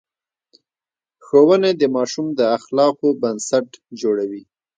ښوونې د ماشوم د اخلاقو بنسټ جوړوي.